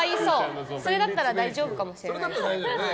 それだったら大丈夫かもしれない。